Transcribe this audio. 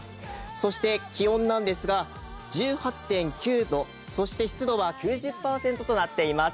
そして気温なんですが、１８．９度、そして湿度は９０％となっています。